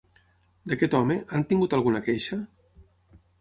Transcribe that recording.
D'aquest home, han tingut alguna queixa?